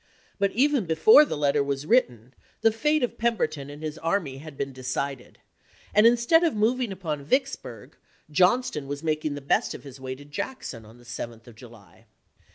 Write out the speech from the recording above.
But even before the letter was written the fate of Pemberton and his army had been decided ; and, instead of moving upon Vicksburg, Johnston was making the best of his way to Jackson on the 7th of July.